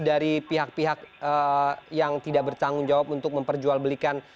dari pihak pihak yang tidak bertanggung jawab untuk memperjualbelikan